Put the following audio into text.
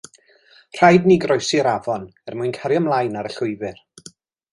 Rhaid i ni groesi'r afon er mwyn cario 'mlaen ar y llwybr.